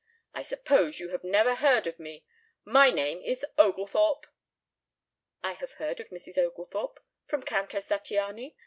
I suppose you have never heard of me. My name is Oglethorpe." "I have heard of Mrs. Oglethorpe from Countess Zattiany.